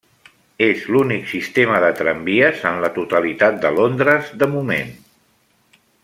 És l'únic sistema de tramvies en la totalitat de Londres de moment.